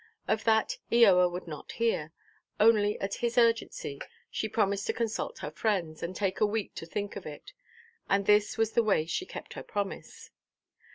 Of that Eoa would not hear; only at his urgency she promised to consult her friends, and take a week to think of it. And this was the way she kept her promise.